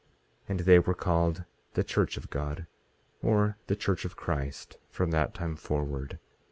18:17 And they were called the church of God, or the church of Christ, from that time forward.